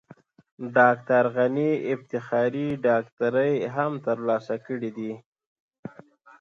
ډاکټر غني افتخاري ډاکټرۍ هم ترلاسه کړې دي.